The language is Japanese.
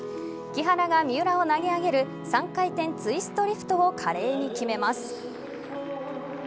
木原が三浦を投げ上げる３回転ツイストリフトを華麗に決めます。